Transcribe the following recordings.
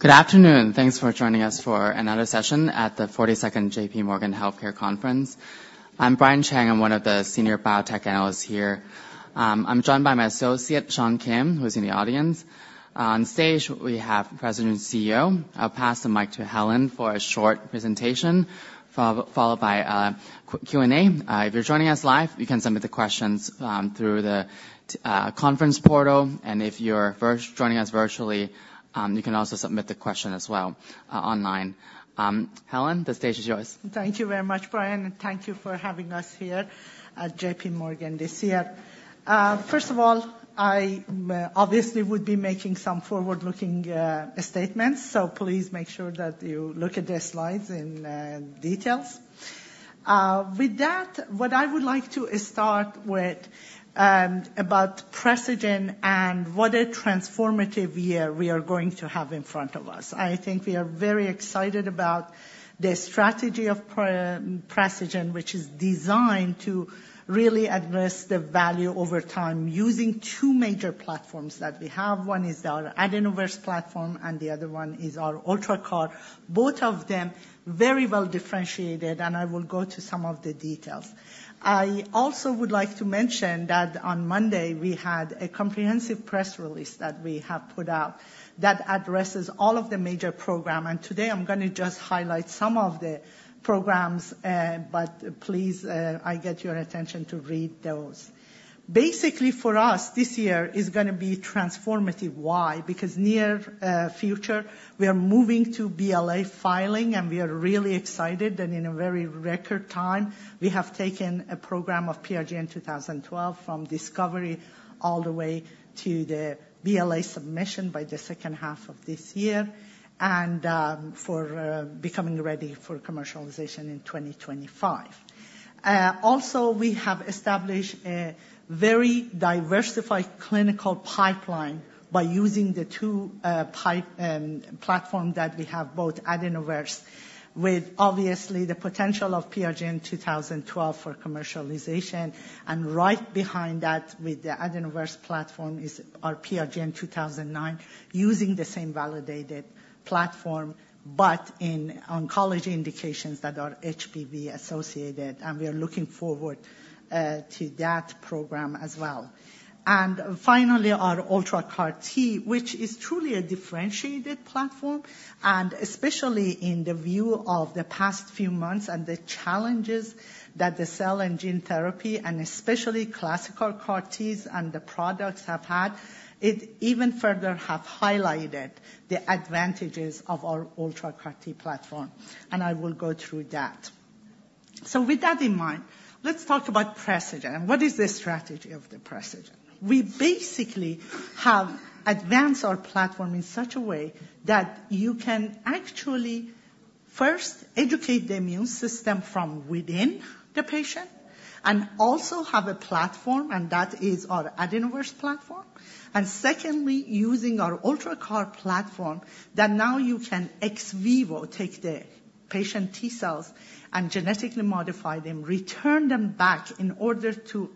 Good afternoon. Thanks for joining us for another session at the 42nd J.P. Morgan Healthcare Conference. I'm Brian Cheng. I'm one of the senior biotech analysts here. I'm joined by my associate, Sean Kim, who's in the audience. On stage, we have President and CEO. I'll pass the mic to Helen for a short presentation, followed by a Q&A. If you're joining us live, you can submit the questions through the conference portal, and if you're joining us virtually, you can also submit the question as well, online. Helen, the stage is yours. Thank you very much, Brian, and thank you for having us here at J.P. Morgan this year. First of all, I obviously would be making some forward-looking statements, so please make sure that you look at the slides in details. With that, what I would like to start with about Precigen and what a transformative year we are going to have in front of us. I think we are very excited about the strategy of Precigen, which is designed to really address the value over time using two major platforms that we have. One is our AdenoVerse platform, and the other one is our UltraCAR. Both of them very well differentiated, and I will go to some of the details. I also would like to mention that on Monday, we had a comprehensive press release that we have put out that addresses all of the major program. And today I'm gonna just highlight some of the programs, but please, I get your attention to read those. Basically, for us, this year is gonna be transformative. Why? Because near future, we are moving to BLA filing, and we are really excited that in a very record time, we have taken a program of PRGN-2012 from discovery all the way to the BLA submission by the second half of this year, and for becoming ready for commercialization in 2025. Also, we have established a very diversified clinical pipeline by using the two pipeline platforms that we have, both AdenoVerse, with obviously the potential of PRGN-2012 for commercialization. And right behind that, with the AdenoVerse platform, is our PRGN-2009, using the same validated platform, but in oncology indications that are HPV associated, and we are looking forward to that program as well. And finally, our UltraCAR-T, which is truly a differentiated platform, and especially in the view of the past few months and the challenges that the cell and gene therapy, and especially classical CAR-Ts and the products have had, it even further have highlighted the advantages of our UltraCAR-T platform, and I will go through that. So with that in mind, let's talk about Precigen. What is the strategy of the Precigen? We basically have advanced our platform in such a way that you can actually first educate the immune system from within the patient and also have a platform, and that is our AdenoVerse platform. Secondly, using our UltraCAR platform, that now you can ex vivo, take the patient T-cells and genetically modify them, return them back in order to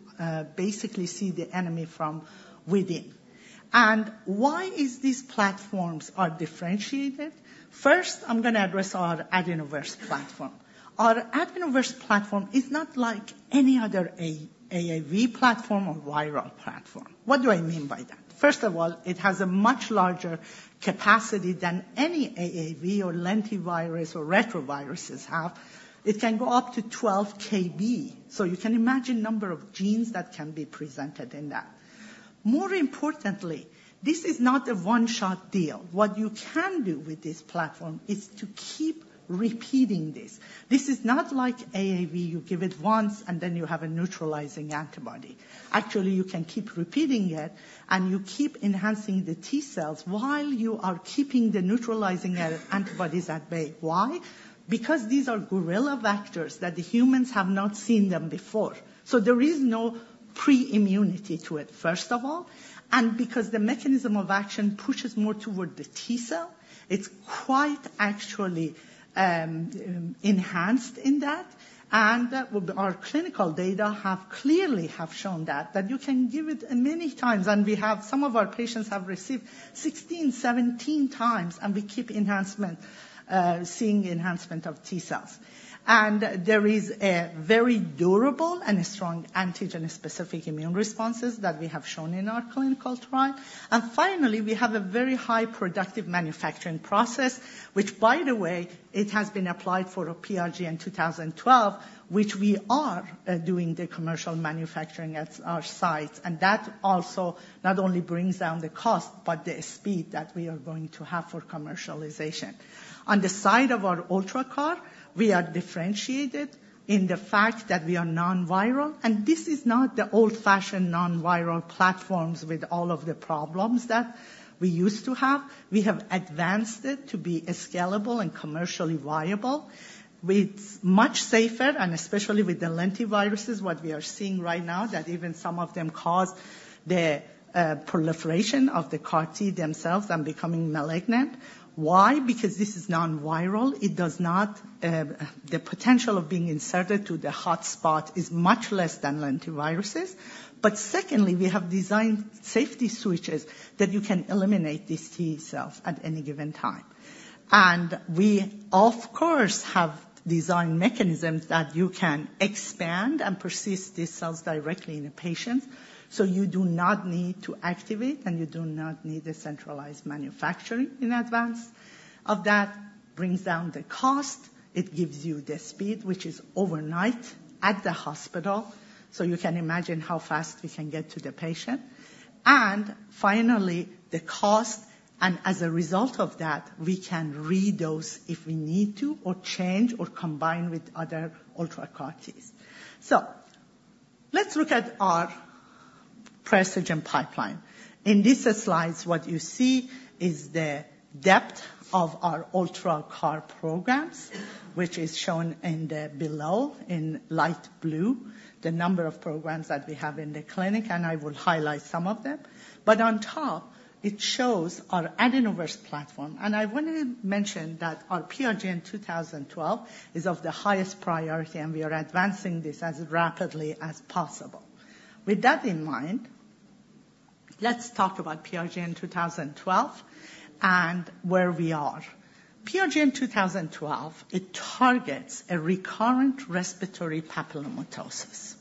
basically see the enemy from within. And why is these platforms are differentiated? First, I'm gonna address our AdenoVerse platform. Our AdenoVerse platform is not like any other AAV platform or viral platform. What do I mean by that? First of all, it has a much larger capacity than any AAV or lentivirus or retroviruses have. It can go up to 12 KB, so you can imagine number of genes that can be presented in that. More importantly, this is not a one-shot deal. What you can do with this platform is to keep repeating this. This is not like AAV, you give it once, and then you have a neutralizing antibody. Actually, you can keep repeating it, and you keep enhancing the T-cells while you are keeping the neutralizing antibodies at bay. Why? Because these are gorilla vectors, that the humans have not seen them before. So there is no pre-immunity to it, first of all, and because the mechanism of action pushes more toward the T-cell, it's quite actually enhanced in that. And with our clinical data have clearly shown that you can give it many times, and we have some of our patients received 16, 17 times, and we keep seeing enhancement of T-cells. And there is a very durable and a strong antigen-specific immune responses that we have shown in our clinical trial. Finally, we have a very high productive manufacturing process, which, by the way, it has been applied for PRGN-2012, which we are doing the commercial manufacturing at our sites. That also not only brings down the cost, but the speed that we are going to have for commercialization. On the side of our UltraCAR-T, we are differentiated in the fact that we are non-viral, and this is not the old-fashioned non-viral platforms with all of the problems that we used to have. We have advanced it to be scalable and commercially viable. It's much safer, and especially with the lentiviruses, what we are seeing right now, that even some of them cause the proliferation of the CAR-T themselves and becoming malignant. Why? Because this is non-viral. It does not the potential of being inserted to the hotspot is much less than lentiviruses. But secondly, we have designed safety switches that you can eliminate these T-cells at any given time. And we, of course, have designed mechanisms that you can expand and persist these cells directly in the patient. So you do not need to activate, and you do not need a centralized manufacturing in advance of that. Brings down the cost, it gives you the speed, which is overnight at the hospital, so you can imagine how fast we can get to the patient. And finally, the cost, and as a result of that, we can re-dose if we need to or change or combine with other UltraCAR-Ts. So let's look at our Precigen pipeline. In these slides, what you see is the depth of our UltraCAR programs, which is shown in the below in light blue, the number of programs that we have in the clinic, and I will highlight some of them. But on top, it shows our AdenoVerse platform. And I wanted to mention that our PRGN-2012 is of the highest priority, and we are advancing this as rapidly as possible. With that in mind, let's talk about PRGN-2012 and where we are. PRGN-2012, it targets a recurrent respiratory papillomatosis.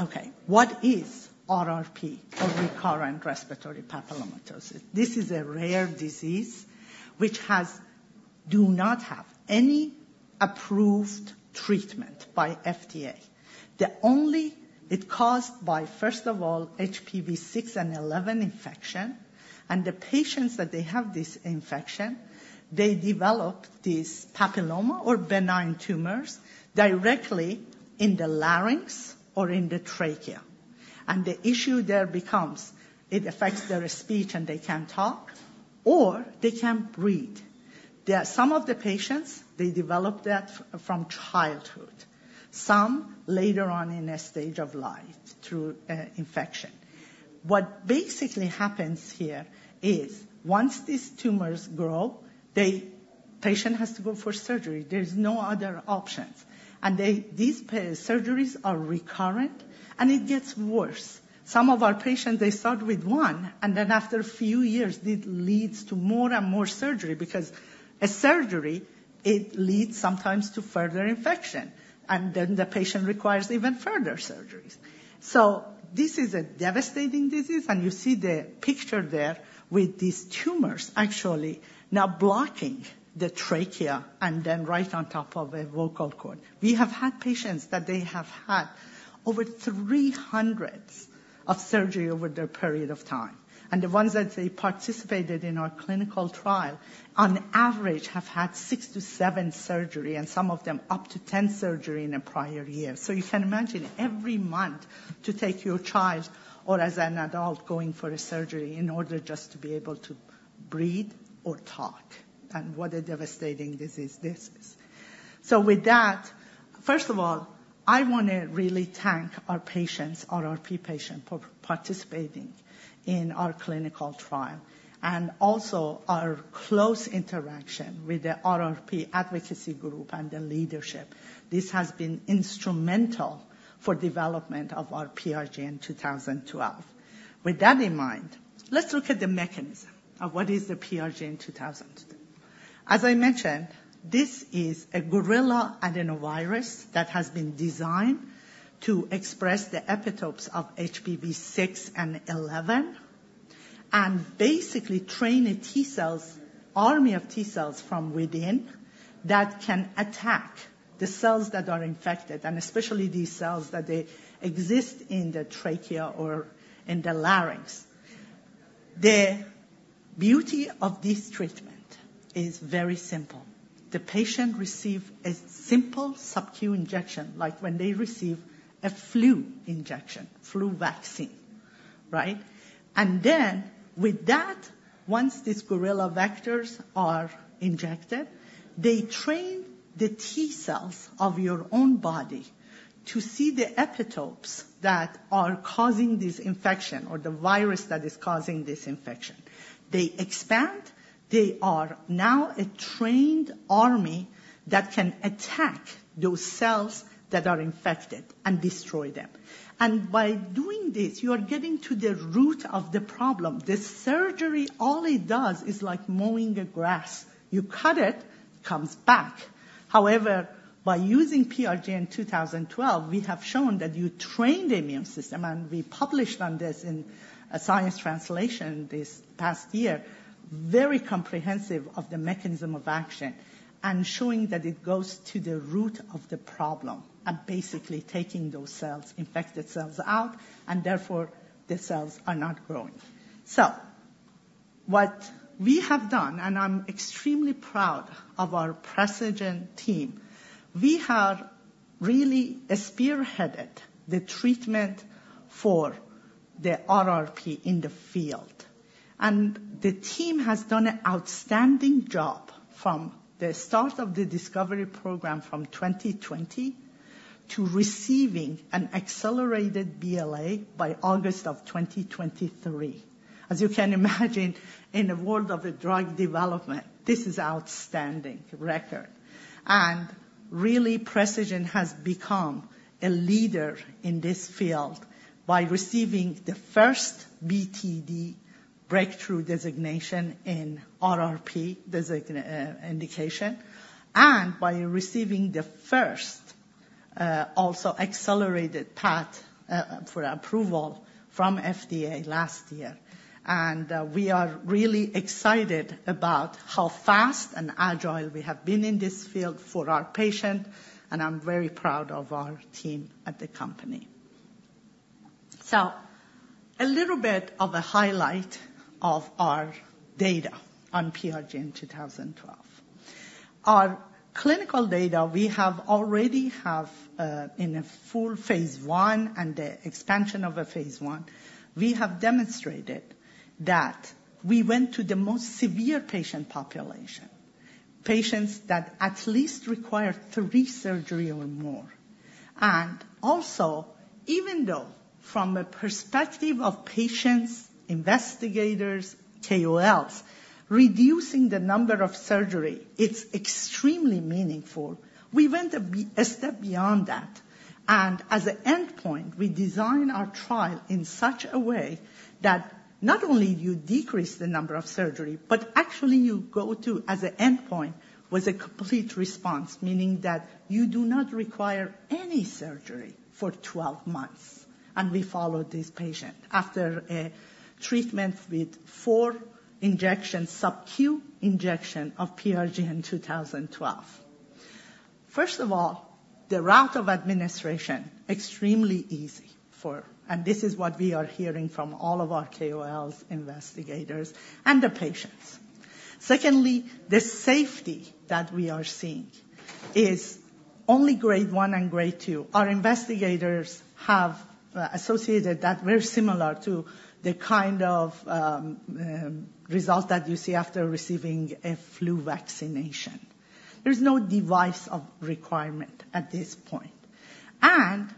Okay, what is RRP or recurrent respiratory papillomatosis? This is a rare disease which has-- do not have any approved treatment by FDA. The only... It's caused by, first of all, HPV 6 and 11 infection, and the patients that they have this infection, they develop this papilloma or benign tumors directly in the larynx or in the trachea. The issue there becomes, it affects their speech, and they can't talk or they can't breathe. There are some of the patients, they develop that from childhood, some later on in a stage of life through infection. What basically happens here is once these tumors grow, patient has to go for surgery. There's no other options. These surgeries are recurrent, and it gets worse. Some of our patients, they start with 1, and then after a few years, it leads to more and more surgery because a surgery, it leads sometimes to further infection, and then the patient requires even further surgeries. So this is a devastating disease, and you see the picture there with these tumors actually now blocking the trachea and then right on top of a vocal cord. We have had patients that they have had over 300 surgeries over their period of time, and the ones that they participated in our clinical trial, on average, have had 6-7 surgeries, and some of them up to 10 surgeries in a prior year. So you can imagine every month to take your child or as an adult, going for a surgery in order just to be able to breathe or talk, and what a devastating disease this is. So with that, first of all, I want to really thank our patients, RRP patients, for participating in our clinical trial, and also our close interaction with the RRP advocacy group and the leadership. This has been instrumental for development of our PRGN-2012. With that in mind, let's look at the mechanism of what is the PRGN-2012. As I mentioned, this is a gorilla adenovirus that has been designed to express the epitopes of HPV 6 and 11, and basically train the T cells, army of T cells from within, that can attack the cells that are infected, and especially these cells that they exist in the trachea or in the larynx. The beauty of this treatment is very simple. The patient receive a simple subQ injection, like when they receive a flu injection, flu vaccine, right? And then with that, once these gorilla vectors are injected, they train the T cells of your own body to see the epitopes that are causing this infection or the virus that is causing this infection. They expand. They are now a trained army that can attack those cells that are infected and destroy them. And by doing this, you are getting to the root of the problem. The surgery, all it does is like mowing the grass. You cut it, it comes back. However, by using PRGN-2012, we have shown that you train the immune system, and we published on this in a Science Translational Medicine this past year, very comprehensive of the mechanism of action, and showing that it goes to the root of the problem and basically taking those cells, infected cells out, and therefore, the cells are not growing. So what we have done, and I'm extremely proud of our Precigen team, we have really spearheaded the treatment for the RRP in the field. The team has done an outstanding job from the start of the discovery program from 2020 to receiving an accelerated BLA by August of 2023. As you can imagine, in the world of the drug development, this is outstanding record... Really, Precigen has become a leader in this field by receiving the first BTD, breakthrough designation in RRP indication, and by receiving the first also accelerated path for approval from FDA last year. We are really excited about how fast and agile we have been in this field for our patient, and I'm very proud of our team at the company. A little bit of a highlight of our data on PRGN- 2012. Our clinical data, we have already have in a full phase I and the expansion of a phase I, we have demonstrated that we went to the most severe patient population, patients that at least require three surgery or more. And also, even though from the perspective of patients, investigators, KOLs, reducing the number of surgery, it's extremely meaningful. We went a step beyond that, and as an endpoint, we design our trial in such a way that not only do you decrease the number of surgery, but actually you go to as an endpoint with a complete response, meaning that you do not require any surgery for twelve months. And we followed this patient after a treatment with four injections, sub-Q injection of PRGN-2012. First of all, the route of administration, extremely easy for... And this is what we are hearing from all of our KOLs, investigators, and the patients. Secondly, the safety that we are seeing is only grade 1 and grade 2. Our investigators have associated that very similar to the kind of result that you see after receiving a flu vaccination. There's no device requirement at this point. And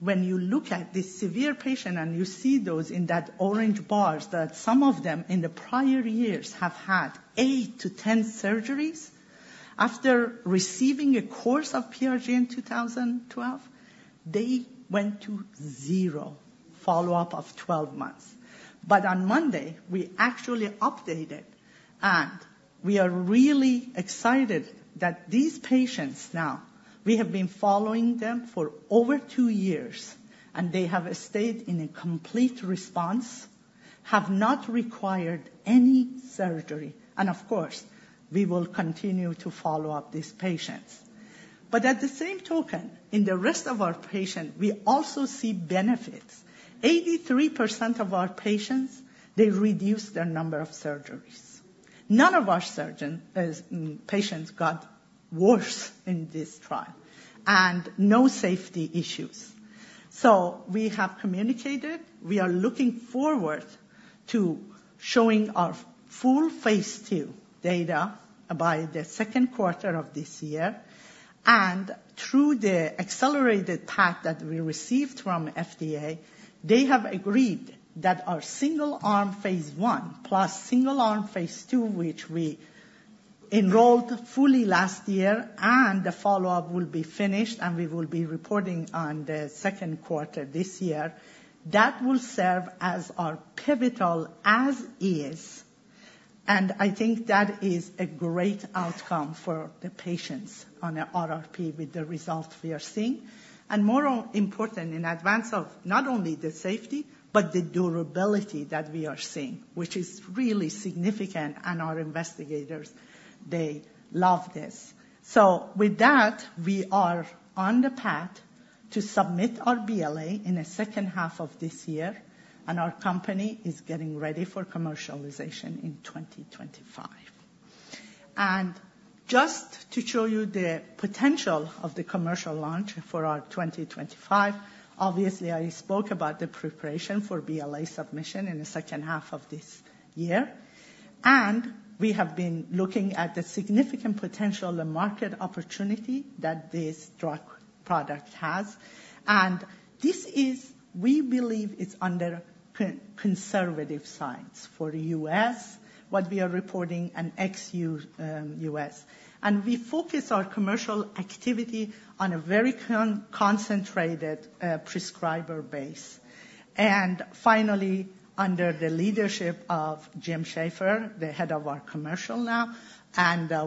when you look at the severe patient, and you see those in that orange bars, that some of them in the prior years have had 8-10 surgeries. After receiving a course of PRGN-2012, they went to 0 follow-up of 12 months. But on Monday, we actually updated, and we are really excited that these patients now, we have been following them for over two years, and they have stayed in a complete response, have not required any surgery, and of course, we will continue to follow up these patients. But at the same token, in the rest of our patients, we also see benefits. 83% of our patients, they reduced their number of surgeries. None of our surgeon patients got worse in this trial, and no safety issues. So we have communicated. We are looking forward to showing our full phase II data by the second quarter of this year, and through the accelerated path that we received from FDA, they have agreed that our single-arm phase I plus single-arm phase II, which we enrolled fully last year, and the follow-up will be finished, and we will be reporting on the second quarter this year. That will serve as our pivotal as is, and I think that is a great outcome for the patients on a RRP with the result we are seeing. And more important in advance of not only the safety, but the durability that we are seeing, which is really significant, and our investigators, they love this. So with that, we are on the path to submit our BLA in the second half of this year, and our company is getting ready for commercialization in 2025. Just to show you the potential of the commercial launch for our 2025, obviously, I spoke about the preparation for BLA submission in the second half of this year, and we have been looking at the significant potential and market opportunity that this drug product has. This is... We believe it's under conservative Science for the U.S., what we are reporting on ex-U.S. We focus our commercial activity on a very concentrated prescriber base. Finally, under the leadership of Jim Shaffer, the head of our commercial now,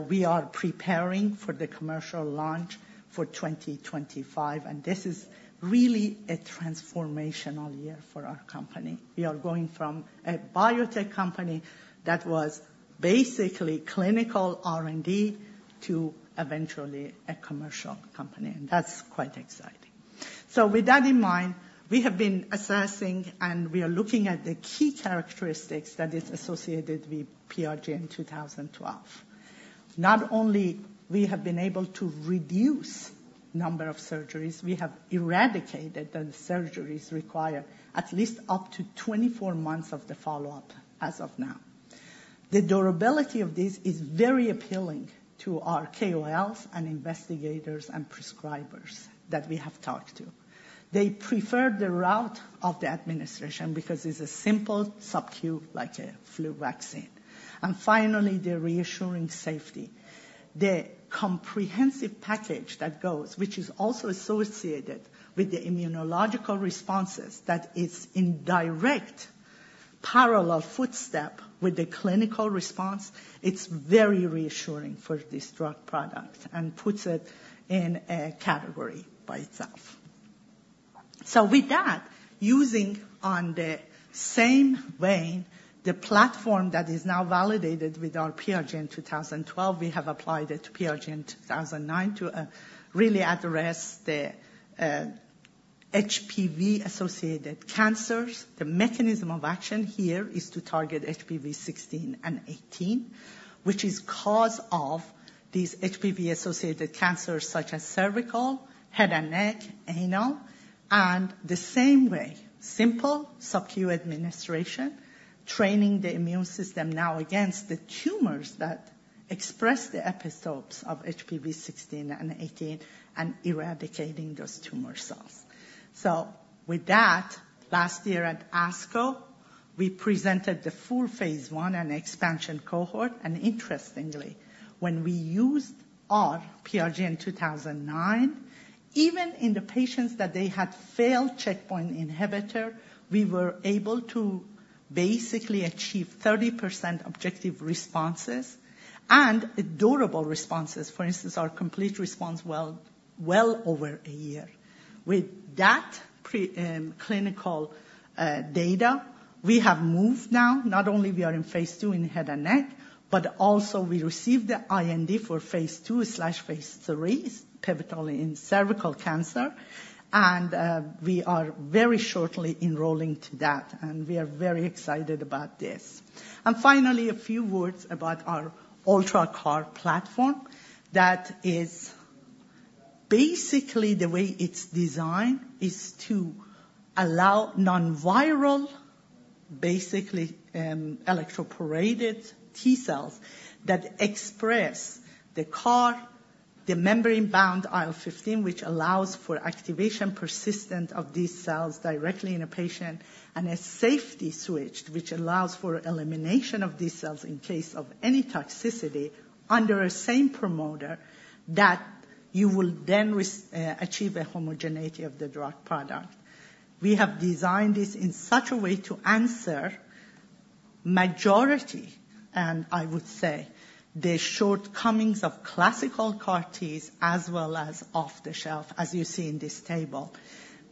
we are preparing for the commercial launch for 2025, and this is really a transformational year for our company. We are going from a biotech company that was basically clinical R&D to eventually a commercial company, and that's quite exciting. So with that in mind, we have been assessing, and we are looking at the key characteristics that is associated with PRGN-2012. Not only we have been able to reduce number of surgeries, we have eradicated the surgeries required at least up to 24 months of the follow-up as of now. The durability of this is very appealing to our KOLs and investigators and prescribers that we have talked to. They prefer the route of the administration because it's a simple sub-Q, like a flu vaccine.... And finally, the reassuring safety. The comprehensive package that goes, which is also associated with the immunological responses, that is in direct parallel footstep with the clinical response, it's very reassuring for this drug product and puts it in a category by itself. So with that, using on the same vein, the platform that is now validated with our PRGN-2012, we have applied it to PRGN-2009 to really address the HPV-associated cancers. The mechanism of action here is to target HPV 16 and 18, which is cause of these HPV-associated cancers such as cervical, head and neck, anal. And the same way, simple sub-Q administration, training the immune system now against the tumors that express the epitodes of HPV 16 and 18 and eradicating those tumor cells. So with that, last year at ASCO, we presented the full phase I and expansion cohort, and interestingly, when we used our PRGN-2009, even in the patients that they had failed checkpoint inhibitor, we were able to basically achieve 30% objective responses and durable responses. For instance, our complete response well over a year. With that preclinical data, we have moved now. Not only we are in phase II in head and neck, but also we received the IND for phase II/phase III, pivotal in cervical cancer, and we are very shortly enrolling to that, and we are very excited about this. And finally, a few words about our UltraCAR-T Platform. That is basically the way it's designed is to allow non-viral electroporated T-cells that express the CAR, the membrane-bound IL-15, which allows for activation, persistence of these cells directly in a patient, and a safety switch, which allows for elimination of these cells in case of any toxicity under a same promoter, that you will then achieve a homogeneity of the drug product. We have designed this in such a way to answer majority, and I would say, the shortcomings of classical CAR-Ts, as well as off-the-shelf, as you see in this table.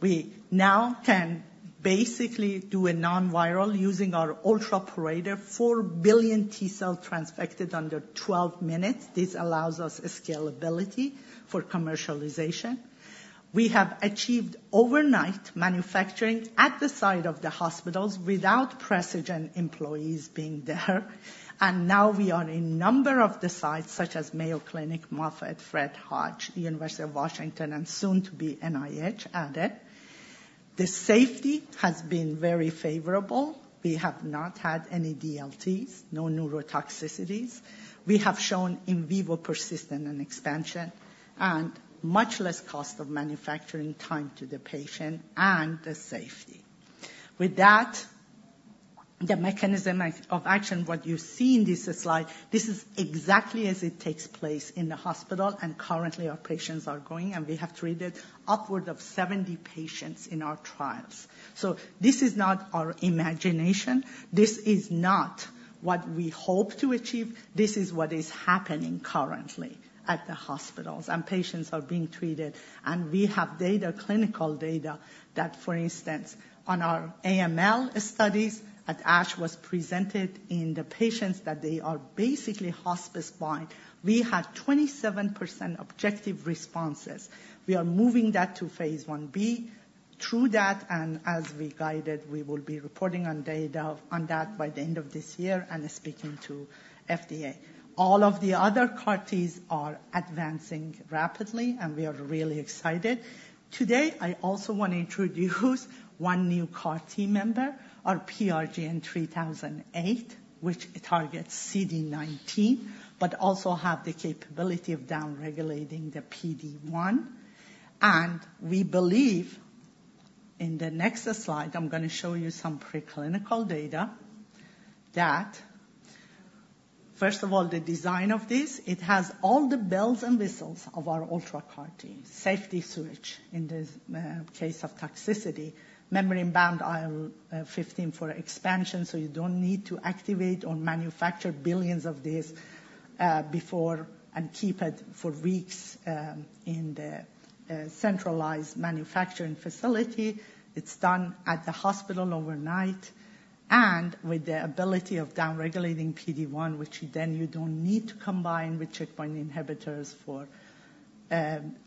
We now can basically do a non-viral using our UltraPorator, 4 billion T-cell transfected under 12 minutes. This allows us scalability for commercialization. We have achieved overnight manufacturing at the site of the hospitals without Precigen employees being there. And now we are in number of the sites such as Mayo Clinic, Moffitt, Fred Hutch, University of Washington, and soon to be NIH added. The safety has been very favorable. We have not had any DLTs, no neurotoxicities. We have shown in vivo persistence and expansion, and much less cost of manufacturing time to the patient and the safety. With that, the mechanism of action, what you see in this slide, this is exactly as it takes place in the hospital, and currently our patients are going, and we have treated upward of 70 patients in our trials. This is not our imagination, this is not what we hope to achieve. This is what is happening currently at the hospitals, and patients are being treated. We have data, clinical data, that, for instance, on our AML studies at ASH, was presented in the patients that they are basically hospice-bound. We had 27% objective responses. We are moving that to phase I-B. Through that, and as we guided, we will be reporting on data on that by the end of this year and speaking to FDA. All of the other CAR-Ts are advancing rapidly, and we are really excited. Today, I also want to introduce one new CAR-T member, our PRGN-3008, which targets CD19, but also have the capability of downregulating the PD-1. And we believe, in the next slide, I'm gonna show you some preclinical data, that first of all, the design of this, it has all the bells and whistles of our UltraCAR-T. Safety switch in this case of toxicity, membrane-bound IL-15 for expansion, so you don't need to activate or manufacture billions of these before and keep it for weeks in the centralized manufacturing facility. It's done at the hospital overnight, and with the ability of downregulating PD-1, which then you don't need to combine with checkpoint inhibitors for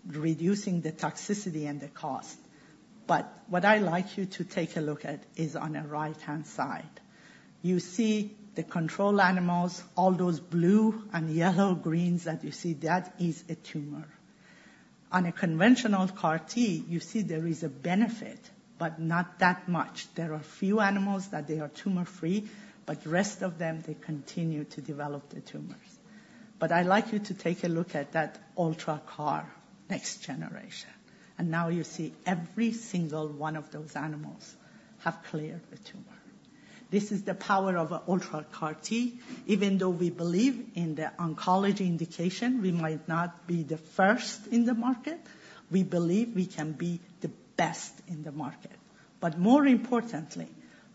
reducing the toxicity and the cost. But what I'd like you to take a look at is on the right-hand side. You see the control animals, all those blue and yellow greens that you see, that is a tumor. On a conventional CAR-T, you see there is a benefit, but not that much. There are few animals that they are tumor-free, but the rest of them, they continue to develop the tumors. But I'd like you to take a look at that UltraCAR next generation, and now you see every single one of those animals have cleared the tumor. This is the power of UltraCAR-T. Even though we believe in the oncology indication, we might not be the first in the market, we believe we can be the best in the market. But more importantly,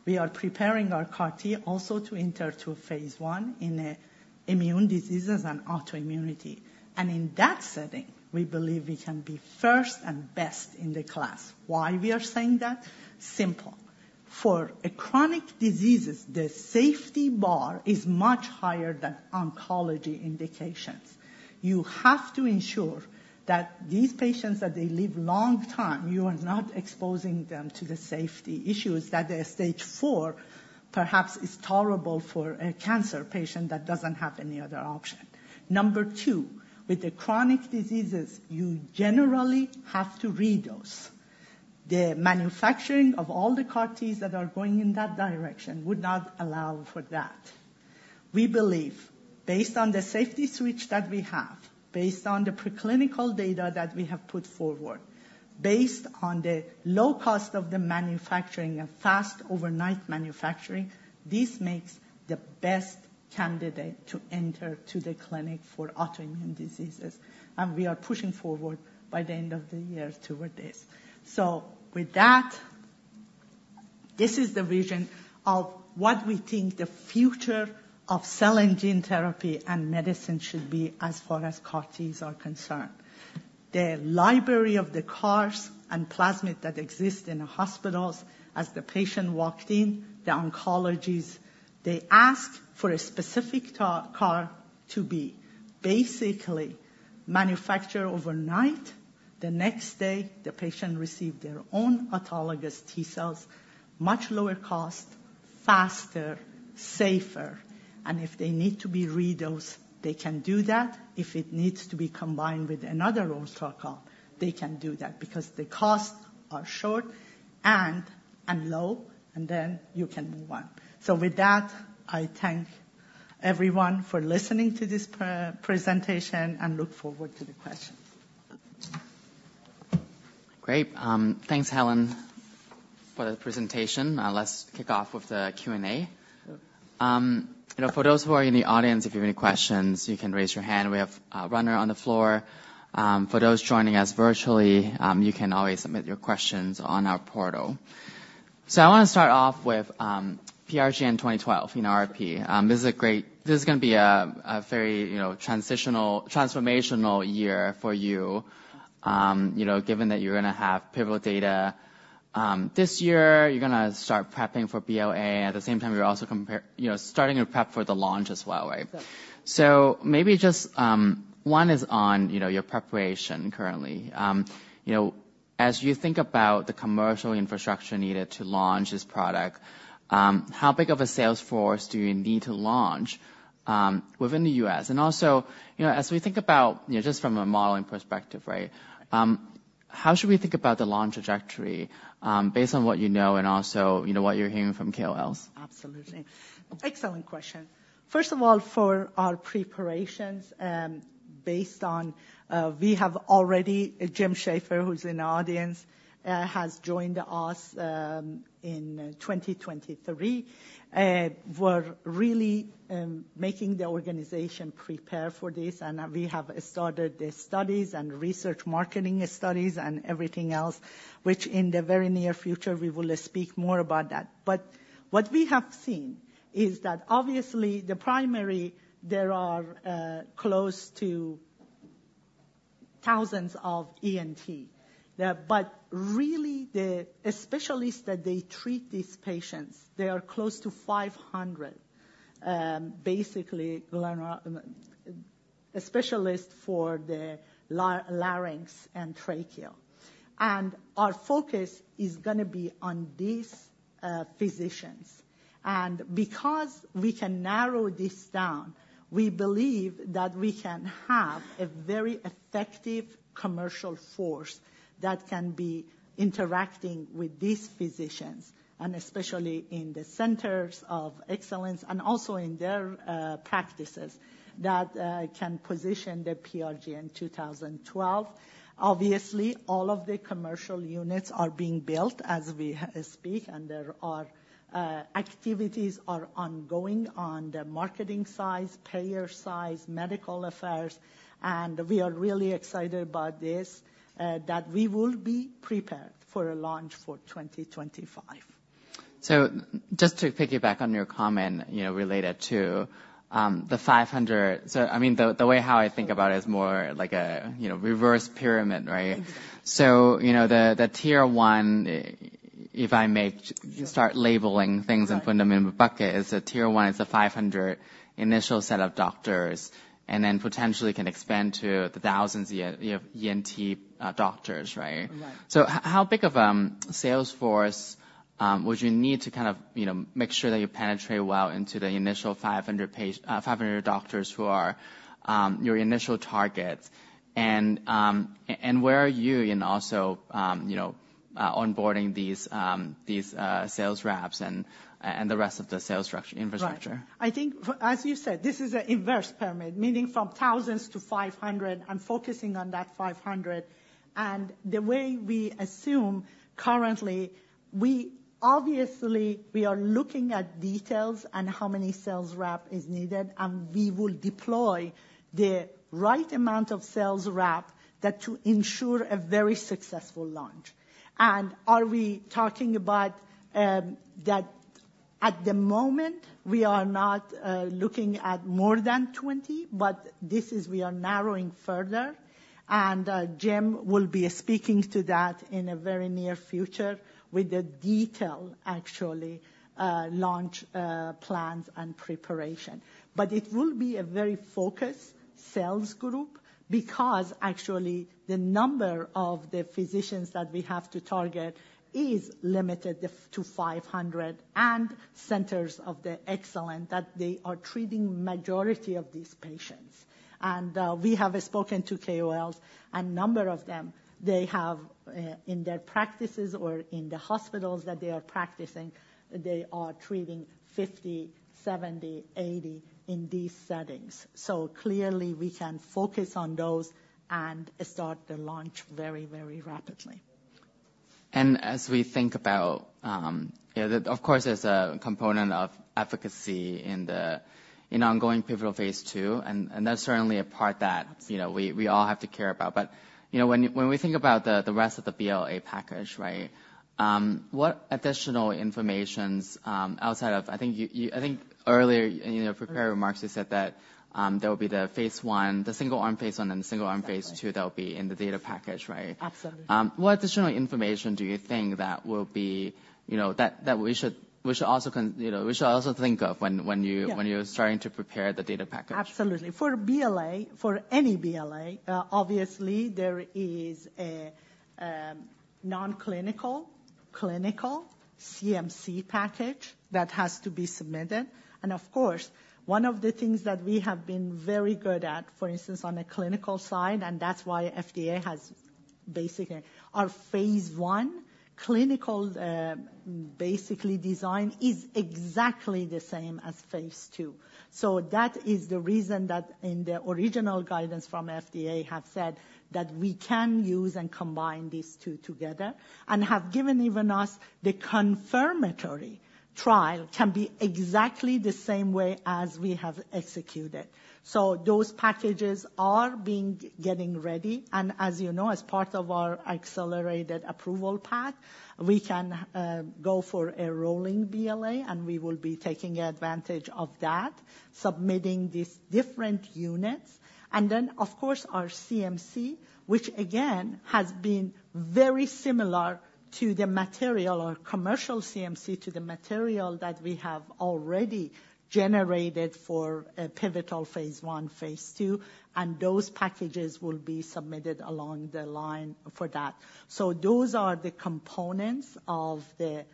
we are preparing our CAR-T also to enter to phase I in immune diseases and autoimmunity. And in that setting, we believe we can be first and best in the class. Why we are saying that? Simple. For a chronic diseases, the safety bar is much higher than oncology indications. You have to ensure that these patients, that they live long time, you are not exposing them to the safety issues that the stage four perhaps is tolerable for a cancer patient that doesn't have any other option. Number two, with the chronic diseases, you generally have to redose. The manufacturing of all the CAR Ts that are going in that direction would not allow for that. We believe, based on the safety switch that we have, based on the preclinical data that we have put forward, based on the low cost of the manufacturing and fast overnight manufacturing, this makes the best candidate to enter to the clinic for autoimmune diseases, and we are pushing forward by the end of the year toward this. So with that, this is the vision of what we think the future of cell and gene therapy and medicine should be as far as CAR Ts are concerned. The library of the CARs and plasmid that exist in the hospitals as the patient walked in, the oncologists, they ask for a specific CAR, CAR to be basically manufacture overnight. The next day, the patient receive their own autologous T cells, much lower cost, faster, safer, and if they need to be redosed, they can do that. If it needs to be combined with another UltraCAR, they can do that because the costs are short and low, and then you can move on. So with that, I thank everyone for listening to this pre-presentation, and look forward to the questions. Great. Thanks, Helen, for the presentation. Let's kick off with the Q&A. You know, for those who are in the audience, if you have any questions, you can raise your hand. We have a runner on the floor. For those joining us virtually, you can always submit your questions on our portal. So I want to start off with PRGN-2012, you know, RRP. This is a great—this is gonna be a, a very, you know, transitional—transformational year for you. You know, given that you're gonna have pivotal data this year, you're gonna start prepping for BLA. At the same time, you're also you know, starting to prep for the launch as well, right? Yes. So maybe just one is on, you know, your preparation currently. You know, as you think about the commercial infrastructure needed to launch this product, how big of a sales force do you need to launch within the U.S.? And also, you know, as we think about, you know, just from a modeling perspective, right, how should we think about the launch trajectory, based on what you know, and also, you know, what you're hearing from KOLs? Absolutely. Excellent question. First of all, for our preparations, based on, we have already Jim Shaffer, who's in the audience, has joined us, in 2023, we're really making the organization prepare for this, and we have started the studies and research marketing studies and everything else, which in the very near future, we will speak more about that. But what we have seen is that obviously the primary, there are close to thousands of ENT, but really, the specialists that they treat these patients, they are close to 500, basically, laryngologist, a specialist for the larynx and trachea. And our focus is gonna be on these physicians. Because we can narrow this down, we believe that we can have a very effective commercial force that can be interacting with these physicians, and especially in the centers of excellence and also in their practices, that can position the PRGN-2012. Obviously, all of the commercial units are being built as we speak, and there are activities are ongoing on the marketing side, payer side, medical affairs, and we are really excited about this, that we will be prepared for a launch for 2025. So just to piggyback on your comment, you know, related to the $500. So I mean, the way how I think about it is more like a, you know, reverse pyramid, right. You know, the tier one, if I may- Yes. Start labeling things. Right. and put them in a bucket, is the tier one is the 500 initial set of doctors, and then potentially can expand to the thousands of ENT doctors, right? Right. So how big of a sales force would you need to kind of, you know, make sure that you penetrate well into the initial 500 doctors who are your initial targets? And where are you also in, you know, onboarding these sales reps and the rest of the sales infrastructure? Right. I think, as you said, this is an inverse pyramid, meaning from thousands to 500 and focusing on that 500. And the way we assume currently, we obviously we are looking at details on how many sales rep is needed, and we will deploy the right amount of sales rep that to ensure a very successful launch. And are we talking about at the moment, we are not looking at more than 20, but this is we are narrowing further, and Jim will be speaking to that in a very near future with the detail, actually, launch plans and preparation. But it will be a very focused sales group, because actually, the number of the physicians that we have to target is limited to 500 and centers of excellence that they are treating majority of these patients. We have spoken to KOLs, and number of them, they have, in their practices or in the hospitals that they are practicing, they are treating 50, 70, 80 in these settings. So clearly, we can focus on those and start the launch very, very rapidly. As we think about, yeah, of course, there's a component of efficacy in the ongoing pivotal phase II, and that's certainly a part that, you know, we all have to care about. But, you know, when we think about the rest of the BLA package, right? What additional informations outside of... I think earlier in your prepared remarks, you said that there will be the phase I, the single-arm phase I, and the single-arm phase II that will be in the data package, right? Absolutely. What additional information do you think that will be, you know, that we should also think of when you- Yeah. when you're starting to prepare the data package? Absolutely. For BLA, for any BLA, obviously there is a non-clinical, clinical CMC package that has to be submitted. Of course, one of the things that we have been very good at, for instance, on a clinical side, and that's why FDA has basically our phase I clinical, basically, design is exactly the same as phase II. That is the reason that in the original guidance from FDA have said that we can use and combine these two together, and have given even us the confirmatory trial can be exactly the same way as we have executed. Those packages are being getting ready, and as you know, as part of our accelerated approval path, we can go for a rolling BLA, and we will be taking advantage of that, submitting these different units. Then, of course, our CMC, which again has been very similar to the material or commercial CMC, to the material that we have already generated for a pivotal phase I, phase II, and those packages will be submitted along the line for that. So those are the components of the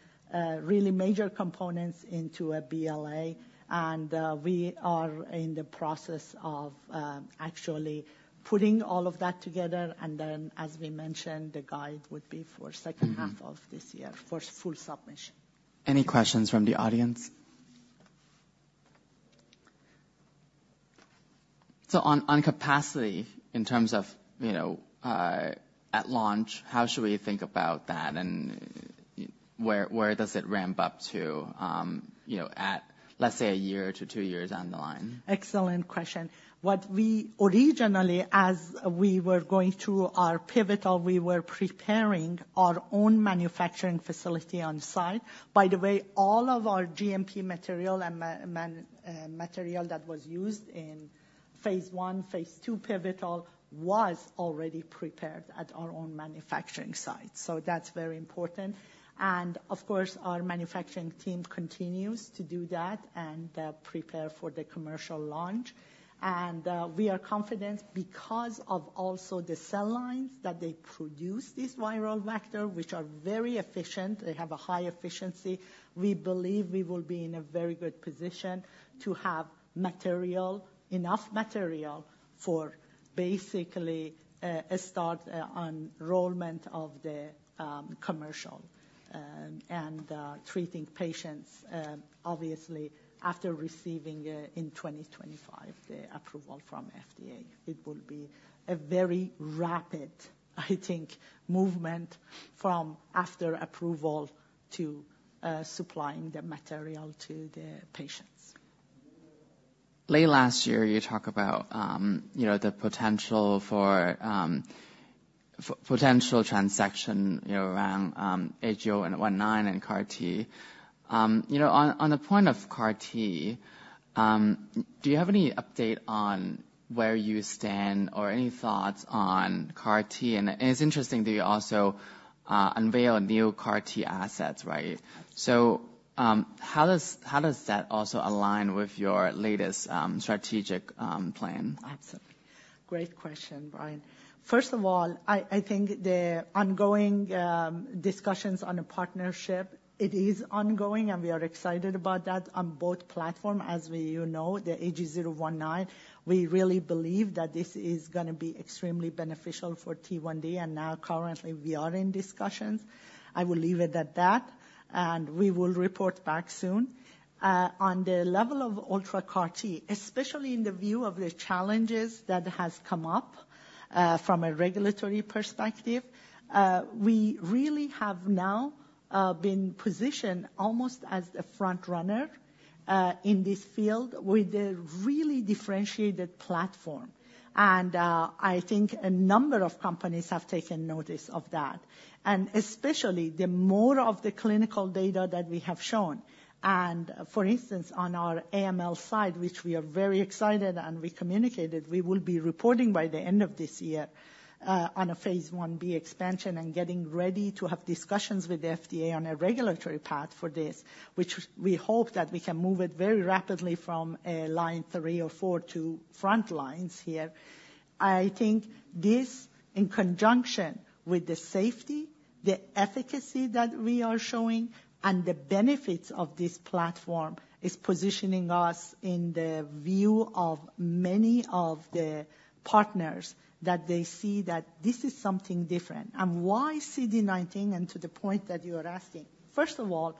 really major components into a BLA, and we are in the process of actually putting all of that together, and then, as we mentioned, the guide would be for second half- Mm-hmm. of this year for full submission. Any questions from the audience? So, on capacity, in terms of, you know, at launch, how should we think about that, and where does it ramp up to, you know, at, let's say, a year to 2 years down the line? Excellent question. What we originally, as we were going through our pivotal, we were preparing our own manufacturing facility on site. By the way, all of our GMP material and material that was used in phase I, phase II pivotal, was already prepared at our own manufacturing site. So that's very important. And of course, our manufacturing team continues to do that and prepare for the commercial launch. And we are confident because of also the cell lines that they produce, this viral vector, which are very efficient, they have a high efficiency. We believe we will be in a very good position to have material, enough material for basically a start on enrollment of the commercial and treating patients, obviously, after receiving in 2025, the approval from FDA. It will be a very rapid, I think, movement from after approval to supplying the material to the patients. Late last year, you talk about, you know, the potential for potential transaction, you know, around AG019 and CAR T. You know, on the point of CAR T, do you have any update on where you stand or any thoughts on CAR T? And it's interesting that you also unveil new CAR T assets, right? So, how does that also align with your latest strategic plan? Absolutely. Great question, Brian. First of all, I think the ongoing discussions on a partnership, it is ongoing, and we are excited about that on both platform. As we... You know, the AG019, we really believe that this is gonna be extremely beneficial for T1D, and now currently we are in discussions. I will leave it at that, and we will report back soon. On the level of UltraCAR-T, especially in the view of the challenges that has come up from a regulatory perspective, we really have now been positioned almost as a frontrunner in this field with a really differentiated platform, and I think a number of companies have taken notice of that, and especially the more of the clinical data that we have shown. For instance, on our AML side, which we are very excited and we communicated, we will be reporting by the end of this year on a phase I-B expansion, and getting ready to have discussions with the FDA on a regulatory path for this. Which we hope that we can move it very rapidly from a line 3 or 4 to front lines here. I think this, in conjunction with the safety, the efficacy that we are showing, and the benefits of this platform, is positioning us in the view of many of the partners, that they see that this is something different. And why CD19? And to the point that you are asking, first of all,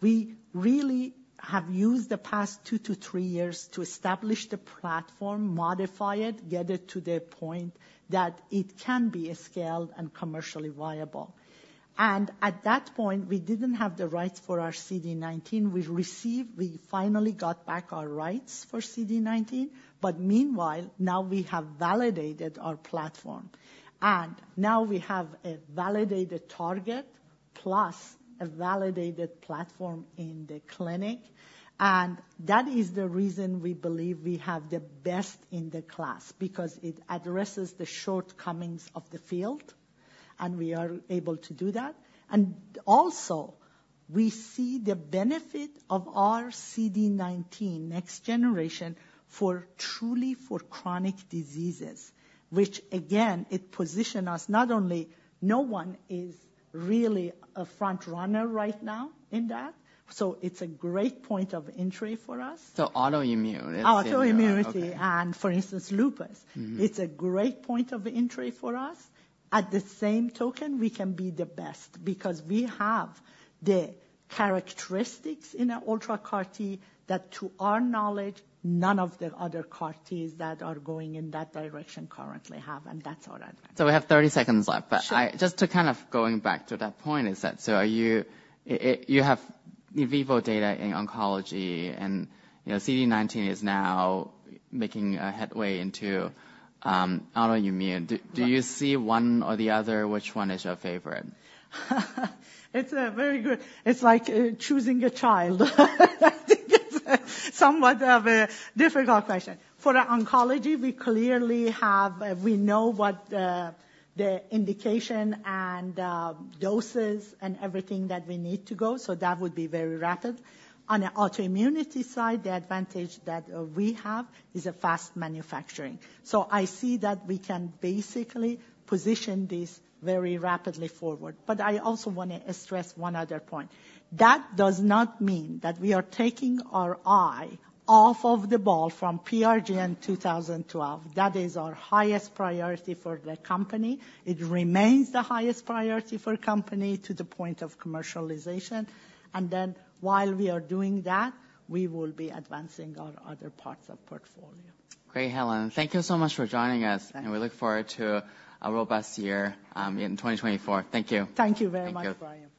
we really have used the past 2 to 3 years to establish the platform, modify it, get it to the point that it can be scaled and commercially viable. At that point, we didn't have the rights for our CD19. We finally got back our rights for CD19, but meanwhile, now we have validated our platform, and now we have a validated target plus a validated platform in the clinic. That is the reason we believe we have the best in the class, because it addresses the shortcomings of the field, and we are able to do that. Also, we see the benefit of our CD19 next generation for truly for chronic diseases, which again, it position us, not only no one is really a front runner right now in that, so it's a great point of entry for us. So autoimmunity? Autoimmunity. Okay. For instance, lupus. Mm-hmm. It's a great point of entry for us. At the same token, we can be the best because we have the characteristics in our UltraCAR-T, that to our knowledge, none of the other CAR-Ts that are going in that direction currently have, and that's our advantage. So we have 30 seconds left. Sure. But just to kind of going back to that point, is that so? Are you... you have in vivo data in oncology, and, you know, CD19 is now making a headway into autoimmune. Right. Do you see one or the other? Which one is your favorite? It's a very good... It's like, choosing a child. I think it's somewhat of a difficult question. For our oncology, we clearly have, we know what, the indication and, doses and everything that we need to go, so that would be very rapid. On the autoimmunity side, the advantage that, we have is a fast manufacturing. So I see that we can basically position this very rapidly forward. But I also wanna stress one other point. That does not mean that we are taking our eye off of the ball from PRGN-2012. That is our highest priority for the company. It remains the highest priority for company to the point of commercialization, and then while we are doing that, we will be advancing our other parts of portfolio. Great, Helen. Thank you so much for joining us- Thank you. We look forward to a robust year in 2024. Thank you. Thank you very much, Brian.